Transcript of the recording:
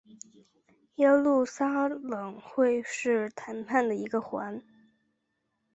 耶路撒冷会是谈判的一环。